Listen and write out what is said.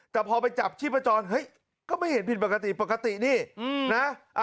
แต่พอไปจับชีพจรเฮ้ยก็ไม่เห็นผิดปกติปกตินี่นะ